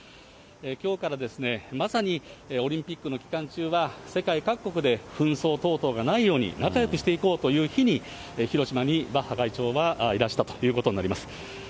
きょうからまさにオリンピックの期間中は、世界各国で紛争等々がないように、仲よくしていこうという日に、広島にバッハ会長はいらしたということになります。